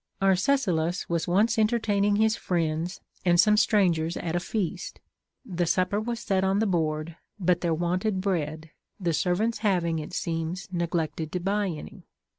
Arcesilaus was once enter taining his friends and some strangers at a feast ; the supper Λvas set on the board, but there wanted bread, the serA^aiits having, it seems, neglected to buy any.